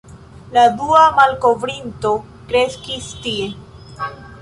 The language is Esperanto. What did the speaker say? La dua malkovrinto kreskis tie.